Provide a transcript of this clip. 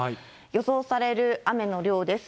予想される雨の量です。